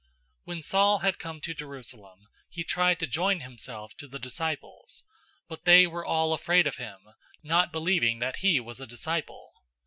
009:026 When Saul had come to Jerusalem, he tried to join himself to the disciples; but they were all afraid of him, not believing that he was a disciple.